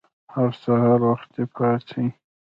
هر سهار وختي پاڅئ!